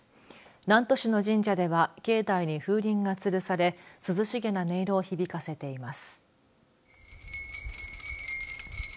南砺市の神社では境内に風鈴がつるされ涼しげな音色を響かせています。